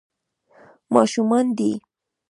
ماشومان دي.